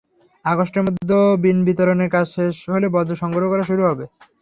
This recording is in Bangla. আগস্টের মধ্যে বিন বিতরণের কাজ শেষ হলে বর্জ্য সংগ্রহ শুরু করা হবে।